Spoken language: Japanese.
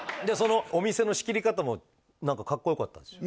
お店の仕切り方も何かかっこよかったんですよ